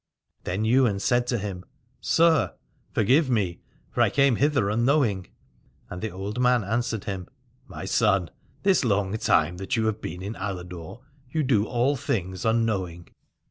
Then Ywain said to him : Sir, forgive me, for I came hither unknowing. And the old man answered him : My son, this long time that you have been in Aladore, you do all things unknowing.